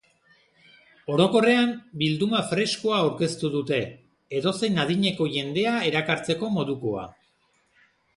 Orokorrean, bilduma freskoa aurkeztu dute, edozein adineko jendea erakartzeko modukoa.